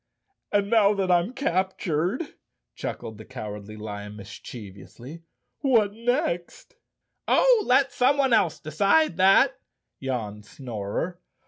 "And now that I'm cap¬ tured," chuckled the Cowardly Lion mischievously, "what next?" "Oh, let someone else decide that," yawned Snorer.